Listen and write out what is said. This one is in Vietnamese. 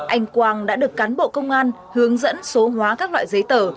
anh quang đã được cán bộ công an hướng dẫn số hóa các loại giấy tờ